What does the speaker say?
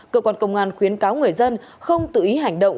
cơ quan công an khuyến cáo người dân không tự ý hành động